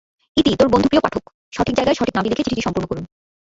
ইতি তোর বন্ধুপ্রিয় পাঠক, সঠিক জায়গায় সঠিক নামটি লিখে চিঠিটি সম্পূর্ণ করুন।